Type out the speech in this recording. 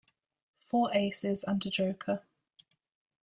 Four aces and a joker.